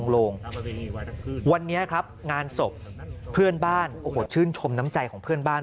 โรงวันนี้ครับงานศพเพื่อนบ้านโอ้โหชื่นชมน้ำใจของเพื่อนบ้าน